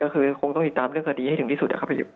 ก็คือคงต้องติดตามเรื่องคดีให้ถึงที่สุดนะครับ